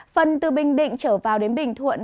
phần từ bình định trở vào đến bình thuận